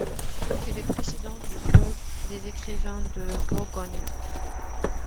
Il est président du Club des écrivains de Bourgogne.